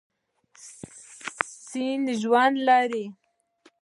سیند ژوند لري.